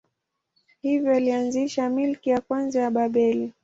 Hivyo alianzisha milki ya kwanza ya Babeli.